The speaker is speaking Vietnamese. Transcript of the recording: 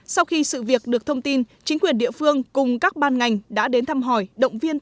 sau khi sự việc được thông tin chính quyền địa phương cùng các ban ngành đã đến thăm họ